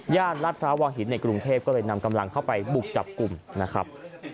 รัฐพร้าววังหินในกรุงเทพก็เลยนำกำลังเข้าไปบุกจับกลุ่มนะครับ